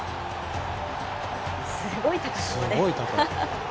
すごい高さですね。